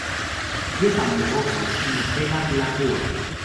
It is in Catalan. Llepa amb la boca i mossega amb la cua.